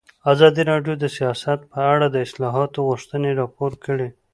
ازادي راډیو د سیاست په اړه د اصلاحاتو غوښتنې راپور کړې.